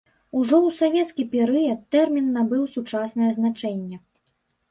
Ужо ў савецкі перыяд тэрмін набыў сучаснае значэння.